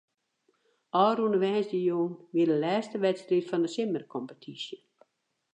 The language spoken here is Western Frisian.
Ofrûne woansdeitejûn wie de lêste wedstriid fan de simmerkompetysje.